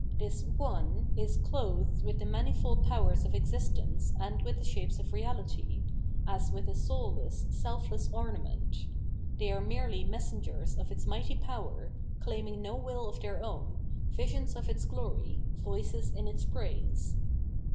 This One is clothed with the manifold powers of existence and with the shapes of reality, as with a soulless, selfless ornament ; they are merely messengers of its mighty power,* claiming no will of their owm, visions of its glory, voices in its praise.